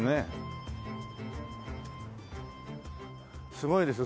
すごいですよ。